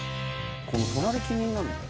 この隣気になるんだよ